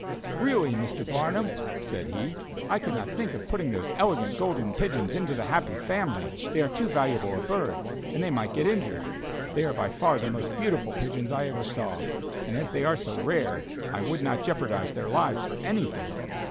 "Really, Mr. Barnum," said he, "I could not think of putting those elegant golden pigeons into the Happy Family, they are too valuable a bird, and they might get injured; they are by far the most beautiful pigeons I ever saw; and as they are so rare, I would not jeopardize their lives for anything."